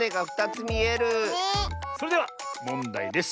それではもんだいです。